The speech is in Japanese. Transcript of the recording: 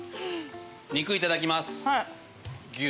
肉いただきます牛。